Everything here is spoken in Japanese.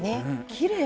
きれい。